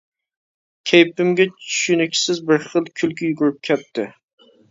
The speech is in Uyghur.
كەيپىمگە چۈشىنىكسىز بىر خىل كۈلكە يۈگۈرۈپ كەتتى.